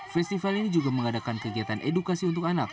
festival ini juga mengadakan kegiatan edukasi untuk anak